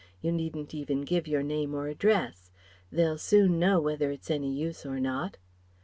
You needn't even give your name or address. They'll soon know whether it's any use or not."